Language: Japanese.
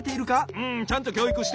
うんちゃんときょういくして。